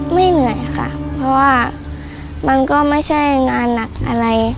เหนื่อยค่ะเพราะว่ามันก็ไม่ใช่งานหนักอะไร